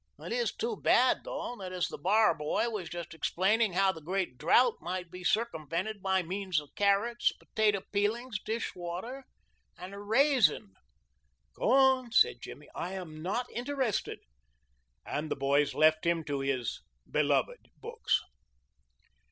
It is too bad, though, as the bar boy was just explaining how the great drought might be circumvented by means of carrots, potato peelings, dish water, and a raisin." "Go on," said Jimmy; "I am not interested," and the boys left him to his "beloved" books.